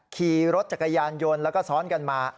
ขี่รถจักรยานยนต์แล้วก็ซ้อนกันมา